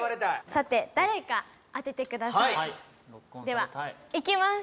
さて誰か当ててくださいではいきます